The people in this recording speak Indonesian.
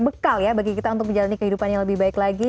bekal ya bagi kita untuk menjalani kehidupan yang lebih baik lagi